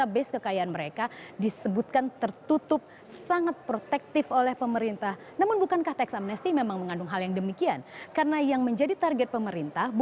berita terkini dari dpr